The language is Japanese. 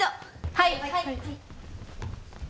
はい！